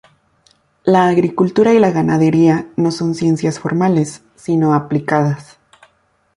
La agricultura y la ganadería no son ciencias formales sino aplicadas.